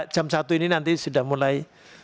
jam satu ini nanti sudah mulai